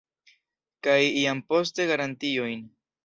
Kaj jam poste garantiojn.